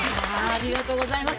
◆ありがとうございます。